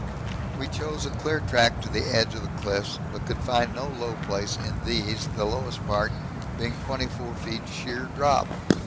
We chose a clear track to the edge of the cliffs, but could find no low place in these, the lowest part being 24 feet sheer drop.